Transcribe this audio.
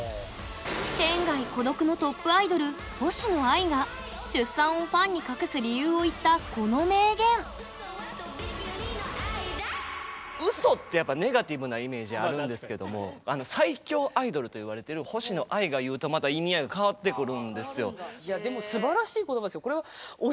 天涯孤独のトップアイドル星野アイが出産をファンに隠す理由を言ったこの名言嘘ってやっぱネガティブなイメージあるんですけども最強アイドルといわれてる星野アイが言うとまた意味合いが変わってくるんですよ。